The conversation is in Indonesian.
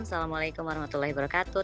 assalamualaikum warahmatullahi wabarakatuh